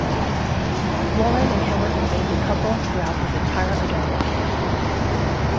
Warren and Helen remained a couple throughout his entire adult life.